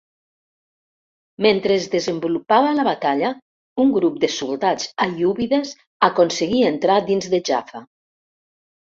Mentre es desenvolupava la batalla, un grup de soldats aiúbides aconseguí entrar dins de Jaffa.